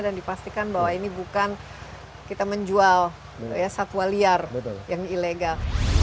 dan dipastikan bahwa ini bukan kita menjual satwa liar yang ilegal